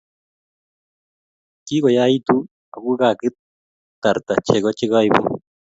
Kikuyaitu aku kaketarta chego che kaibuu